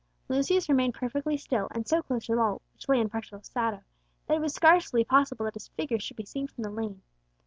Lucius remained perfectly still, and so close to the wall, which lay in partial shadow, that it was scarcely possible that his figure should be seen from the lane.